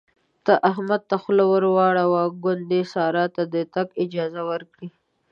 ته احمد ته خوله ور واړوه ګوندې سارا ته د تګ اجازه ورکړي.